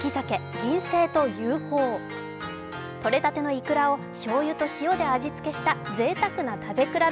銀聖と雄宝取れたてのいくらをしょうゆと塩で味付けしたぜいたくな食べ比べ